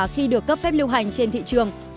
khi được cấp phép lưu hành trên thị trường